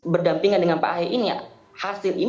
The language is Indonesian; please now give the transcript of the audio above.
berdampingan dengan pak ahy ini hasil